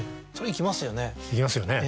行きますよね。